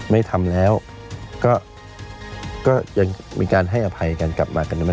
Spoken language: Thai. ไม่ทำแล้วก็ยังมีการให้อภัยกันกลับมากัน